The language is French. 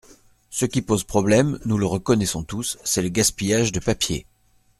Ce qui pose problème, nous le reconnaissons tous, c’est le gaspillage de papier.